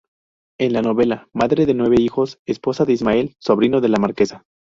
En la novela, madre de nueve hijos, esposa de Ismael, sobrino de la marquesa.